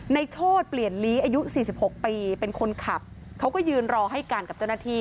โชธเปลี่ยนลีอายุ๔๖ปีเป็นคนขับเขาก็ยืนรอให้การกับเจ้าหน้าที่